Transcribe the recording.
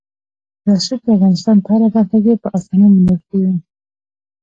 رسوب د افغانستان په هره برخه کې په اسانۍ موندل کېږي.